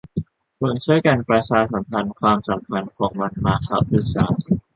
ควรช่วยกันประชาสัมพันธ์ความสำคัญของวันมาฆบูชา